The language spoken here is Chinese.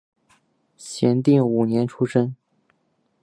弘定五年出生。